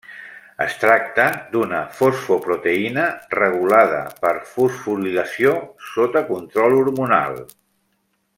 Es tracta d'una fosfoproteïna regulada per fosforilació sota control hormonal.